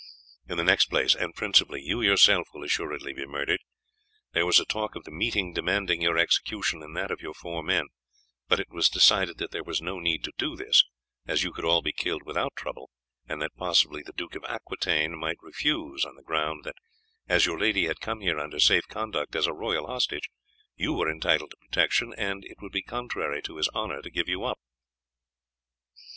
In the next place, and principally, you yourself will assuredly be murdered. There was a talk of the meeting demanding your execution and that of your four men; but it was decided that there was no need to do this, as you could all be killed without trouble, and that possibly the Duke of Aquitaine might refuse on the ground that, as your lady had come here under safe conduct as a royal hostage, you were entitled to protection, and it would be contrary to his honour to give you up.